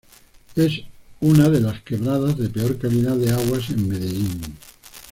Es una de las quebradas de peor calidad de aguas en Medellín.